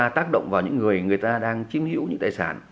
chúng ta tác động vào những người người ta đang chiếm hiểu những tài sản